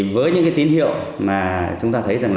với những tín hiệu mà chúng ta thấy rằng